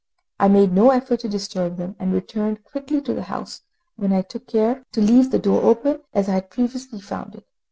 I made no effort to disturb them, and returned quickly to the house, when I took care to leave the door open, as I had previously found it.